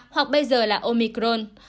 hoặc bây giờ là omicron